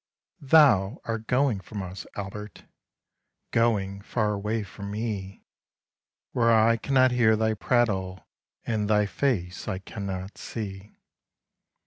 Thou art going from us, Albert, Going far away from me, Where I can not hear thy prattle, And thy face I can not see.